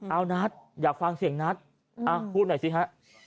เอานัทอยากฟังเสียงนัทพูดหน่อยสิฮะ